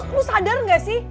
lu lu sadar gak sih